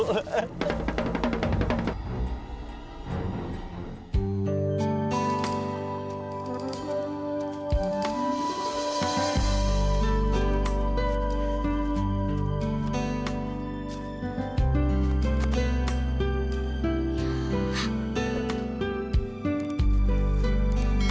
kayaknya di sana